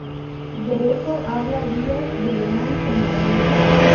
De eso habla Díaz de León señalando